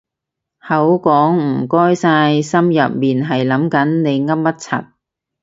口講唔該晒心入面係諗緊你噏乜柒